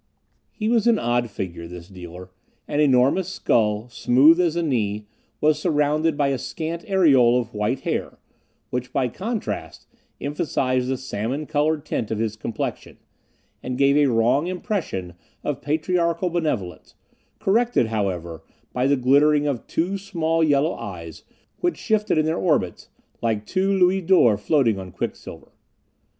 He was an odd figure this dealer; an enormous skull, smooth as a knee, was surrounded by a scant aureole of white hair, which, by contrast, emphasized the salmon colored tint of his complexion, and gave a wrong impression of patriarchal benevolence, corrected, however, by the glittering of two small, yellow eyes which shifted in their orbits like two louis d'or floating on quicksilver.